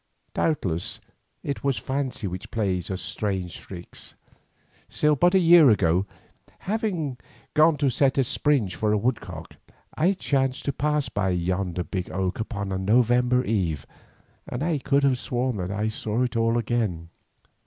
Doubtless it was fancy which plays us strange tricks, still but a year ago, having gone to set a springe for a woodcock, I chanced to pass by yonder big oak upon a November eve, and I could have sworn that I saw it all again.